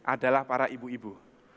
adalah para ibu ibu